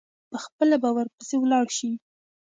پخپله به ورپسي ولاړ شي.